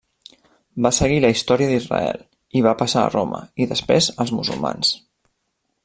Va seguir la història d'Israel, i va passar a Roma i després als musulmans.